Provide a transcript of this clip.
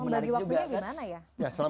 membagi waktunya gimana ya